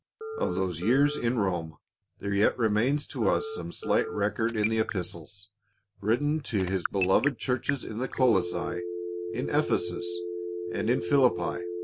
Of those years in Rome there yet remains to us some slight record in the Epistles written to his beloved churches in Colossae, in Ephesus, and in Philippi.